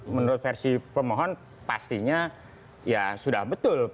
menurut versi pemohon pastinya ya sudah betul